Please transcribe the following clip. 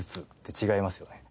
違いますね。